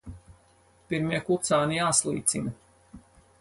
Pirmie kucēni jāslīcina.